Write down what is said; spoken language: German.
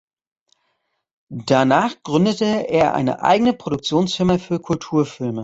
Danach gründete er eine eigene Produktionsfirma für Kulturfilme.